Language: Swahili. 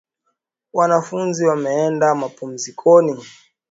Wanafunzi wameenda mapumzikoni